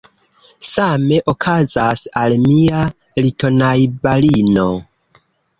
Same okazas al mia litonajbarino.